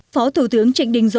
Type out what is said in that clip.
phó thủ tướng trịnh đình dũng